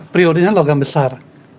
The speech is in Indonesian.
periodenya logam besar